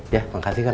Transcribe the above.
ya makasih kusat